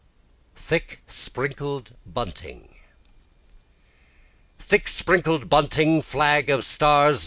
Thick Sprinkled Bunting Thick sprinkled bunting! flag of stars!